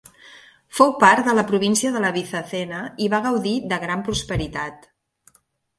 Fou part de la província de la Bizacena i va gaudir de gran prosperitat.